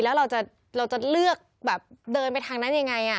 แล้วเราจะเลือกแบบเดินไปทางนั้นยังไง